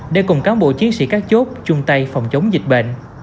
để cùng cán bộ chiến sĩ các chốt chung tay phòng chống dịch bệnh